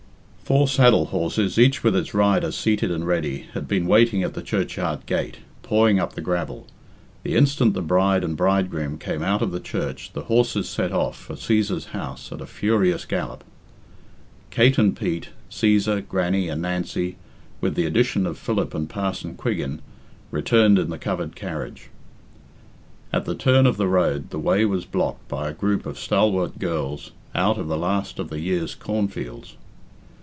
Four saddle horses, each with its rider seated and ready, had been waiting at the churchyard gate, pawing up the gravel. The instant the bride and bridegroom came out of the church the horses set off for Cæsar's house at a furious gallop. Kate and Pete, Cæsar, Grannie, and Nancy, with the addition of Philip and Parson Quiggin, returned in the covered carriage. At the turn of the road the way was blocked by a group of stalwart girls out of the last of the year's cornfields.